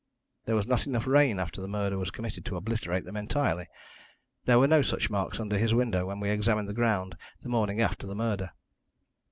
There was not enough rain after the murder was committed to obliterate them entirely. There were no such marks under his window when we examined the ground the morning after the murder.